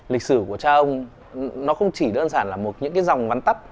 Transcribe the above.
lịch sử của cha ông nó không chỉ đơn giản là một dòng văn tắt